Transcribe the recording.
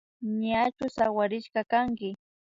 Ñachu sawarishka kanki